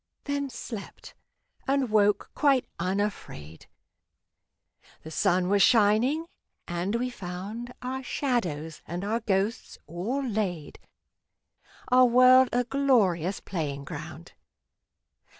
Then slept, and woke quite unafraid. The sun was shining, and we found Our shadows and our ghosts all laid, Our world a glorious playing ground.